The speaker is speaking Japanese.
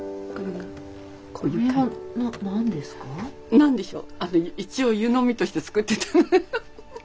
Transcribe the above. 何でしょう？